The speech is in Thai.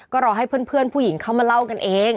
ก็รอให้เพื่อนผู้หญิงเข้ามาเล่ากันเอง